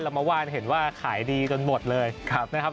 เราเมื่อวานเห็นว่าขายดีจนหมดเลยนะครับ